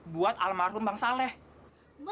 buat almarhum bang salman